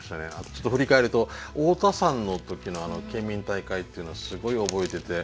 ちょっと振り返ると大田さんの時の県民大会っていうのはすごい覚えてて。